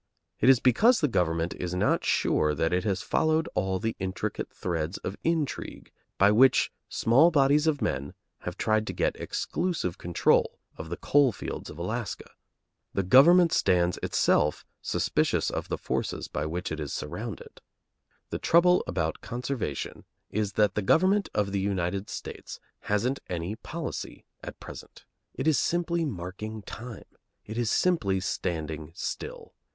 It is because the government is not sure that it has followed all the intricate threads of intrigue by which small bodies of men have tried to get exclusive control of the coal fields of Alaska. The government stands itself suspicious of the forces by which it is surrounded. The trouble about conservation is that the government of the United States hasn't any policy at present. It is simply marking time. It is simply standing still.